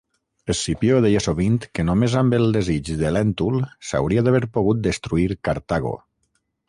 Escipió deia sovint que només amb el desig de Lèntul s'hauria d'haver pogut destruir Cartago.